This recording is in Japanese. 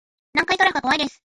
南海トラフが怖いです